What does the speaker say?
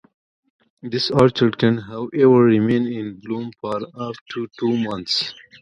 This orchid can, however, remain in bloom for up to two months.